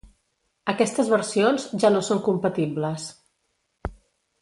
Aquestes versions ja no són compatibles.